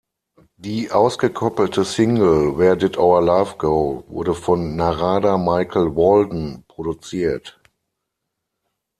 Die ausgekoppelte Single "Where Did Our Love Go" wurde von Narada Michael Walden produziert.